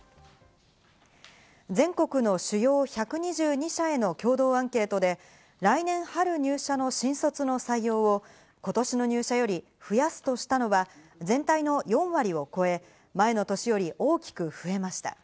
全国の主要１２２社への共同アンケートで、来年春入社の新卒の採用を今年の入社より増やすとしたのは全体の４割を超え、前の年より大きく増えました。